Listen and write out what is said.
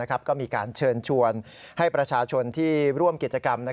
ก็มีการเชิญชวนให้ประชาชนที่ร่วมกิจกรรม